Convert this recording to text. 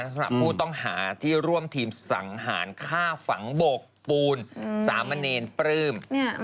สำหรับผู้ต้องหาที่ร่วมทีมสังหารฆ่าฝังโบกปูนสามเณรปลื้ม